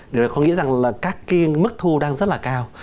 điều này có nghĩa rằng là các cái mức thu đang rất là cao